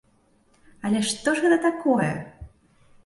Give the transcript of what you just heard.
Але што ж гэта такое?